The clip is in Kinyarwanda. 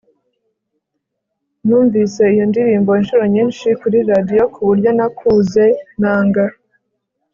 numvise iyo ndirimbo inshuro nyinshi kuri radio kuburyo nakuze nanga